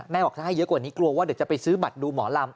บอกถ้าให้เยอะกว่านี้กลัวว่าเดี๋ยวจะไปซื้อบัตรดูหมอลำ